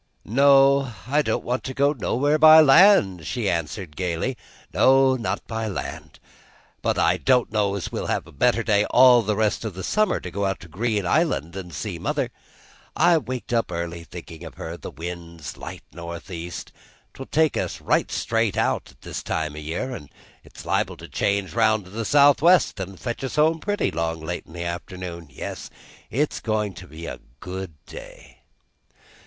"No, I don't want to go nowhere by land," she answered gayly, "no, not by land; but I don't know's we shall have a better day all the rest of the summer to go out to Green Island an' see mother. I waked up early thinkin' of her. The wind's light northeast, 'twill take us right straight out, an' this time o' year it's liable to change round southwest an' fetch us home pretty, 'long late in the afternoon. Yes, it's goin' to be a good day."